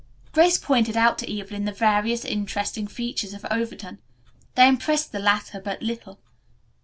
Grace pointed out to Evelyn the various interesting features of Overton. They impressed the latter but little.